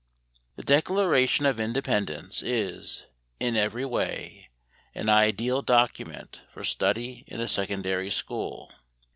The Declaration of Independence is, in every way, an ideal document for study in a secondary school.